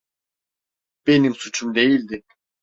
Benim suçum değildi!